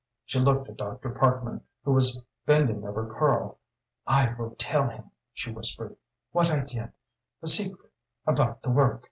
She looked at Dr. Parkman, who was bending over Karl. "I will tell him," she whispered "what I did the secret about the work."